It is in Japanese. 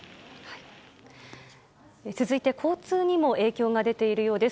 続いて、交通にも影響が出ているようです。